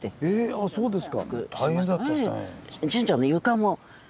あそうですか。